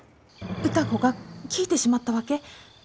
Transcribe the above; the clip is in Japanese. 歌子が聞いてしまったわけ。